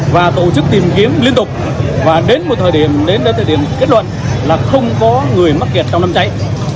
và tổ chức tìm kiếm liên tục và đến một thời điểm kết luận là không có người mắc kẹt trong năm cháy